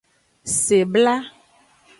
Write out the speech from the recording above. Sebla.